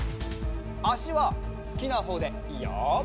あしはすきなほうでいいよ。